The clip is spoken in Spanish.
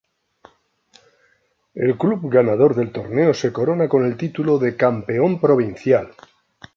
El club ganador del torneo se corona con el título de "Campeón Provincial".